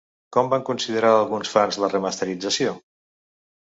Com van considerar alguns fans la remasterització?